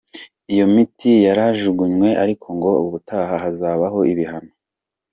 Iyo miti yarajugunywe ariko ngo ubutaha hazabaho ibihano.